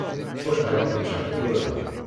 Ḥwaǧeɣ ad ččeɣ tura.